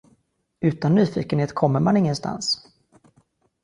Utan nyfikenhet kommer man ingenstans